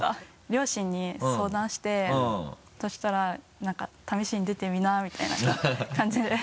両親に相談してそしたら何か「試しに出てみな」みたいな感じで。